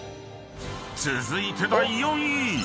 ［続いて第４位］